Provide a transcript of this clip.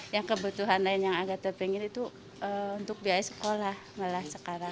yang kebutuhan lain yang agak terpinggir itu untuk biaya sekolah malah sekarang